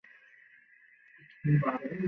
রাজার বাড়ি, কি না জানি খাওয়ায়?